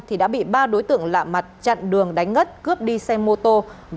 thì đã bị ba đối tượng lạ mặt chặn đường đánh ngất cướp đi xe mô tô